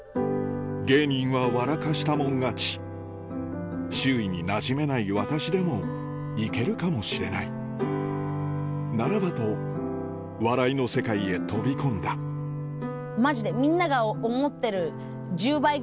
芸人は笑かしたもん勝ち周囲になじめない私でもいけるかもしれないならばと笑いの世界へ飛び込んだマジで。